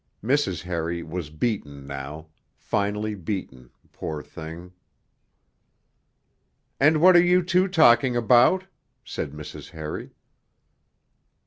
Mrs. Harry was beaten now, finally beaten, poor thing.... 'And what are you two talking about?' said Mrs. Harry.